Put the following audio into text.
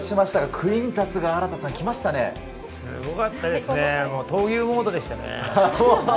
クゥイすごかったですね、闘牛モードでしたね。